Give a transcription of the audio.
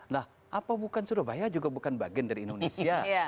nah apa bukan surabaya juga bukan bagian dari indonesia